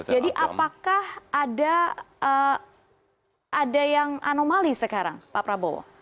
jadi apakah ada yang anomali sekarang pak prabowo